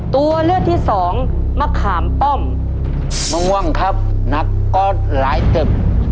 ตัวเลือกที่สองมะขามป้อมมะม่วงครับหนักก็หลายตึก